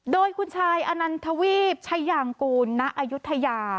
โดยคุณชายอนันทวีปชายางกูลณอายุทยา